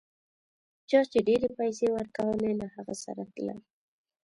چا چي ډېرې پیسې ورکولې له هغه سره تلل.